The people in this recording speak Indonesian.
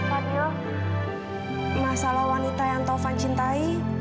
fadil masalah wanita yang taufan cintai